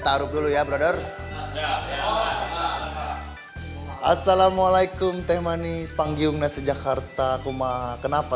saya taruh dulu ya brother assalamualaikum teh manis panggiung nesek jakarta kuma kenapa